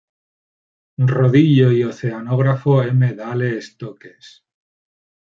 Rodillo y oceanógrafo M. Dale Stokes.